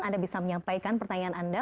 anda bisa menyampaikan pertanyaan anda